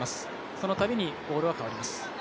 その度にボールは代わります。